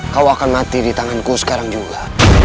kau akan mati ditanganku sekarang juga